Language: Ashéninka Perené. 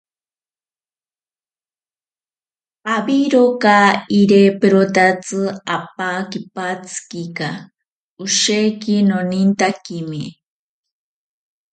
Awiroka iriperotatsi apaa kipatsikika, osheki nonintakime.